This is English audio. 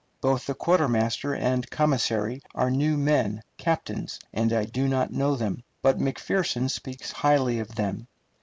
Both the quartermaster and commissary are new men, captains, and I do not know them, but McPherson speaks highly of them.